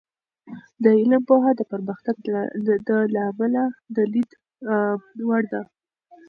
د علم پوهه د پرمختګ د لامله د لید وړ ده.